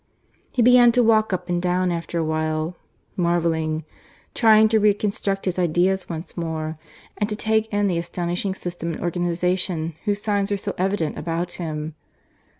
He began to walk up and down after a while, marvelling, trying to reconstruct his ideas once more, and to take in the astonishing system and organization whose signs were so evident about him.